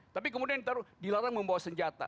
tapi kemudian dilarang membawa senjata